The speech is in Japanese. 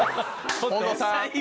近藤さん！